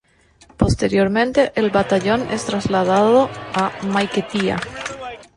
Posteriormente el batallón es trasladado a Maiquetía.